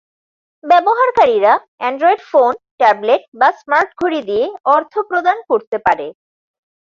ব্যবহারকারীরা Android phone, tablet বা smart ঘড়ি দিয়ে অর্থ প্রদান করতে পারে।